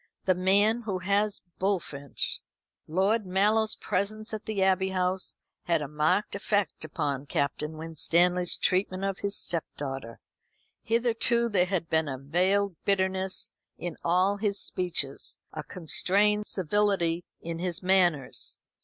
"The man who has Bullfinch!" Lord Mallow's presence at the Abbey House had a marked effect upon Captain Winstanley's treatment of his stepdaughter. Hitherto there had been a veiled bitterness in all his speeches, a constrained civility in his manners.